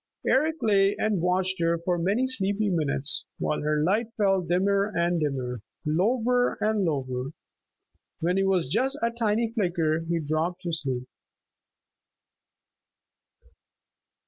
Eric lay and watched her for many sleepy minutes while her light fell dimmer and dimmer, lower and lower. When it was just a tiny flicker he dropped to sleep.